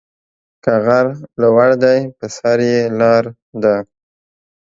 که غر لوړ دى، په سر يې لار ده.